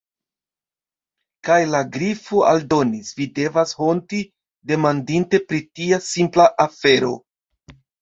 Kaj la Grifo aldonis: "Vi devas honti, demandinte pri tia simpla afero."